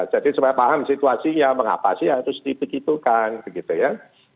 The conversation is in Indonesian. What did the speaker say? jadi supaya paham situasinya mengapa sih harus dibegitukan begitu ya